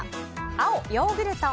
青、ヨーグルト。